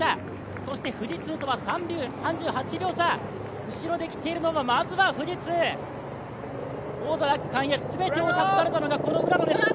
そして富士通とは３８秒差、後ろで来ているのは、まずは富士通王座奪還へ全てを託されたのが浦野です。